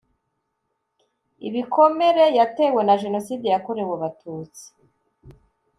ibikomere yatewe na jenoside yakorewe abatutsi